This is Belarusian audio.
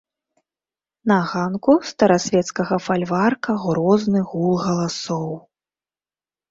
На ганку старасвецкага фальварка грозны гул галасоў.